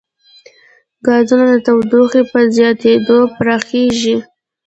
ګازونه د تودوخې په زیاتېدو پراخېږي.